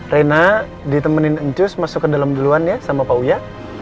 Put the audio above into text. reina ditemenin jus masuk ke dalam duluan ya sama pak uya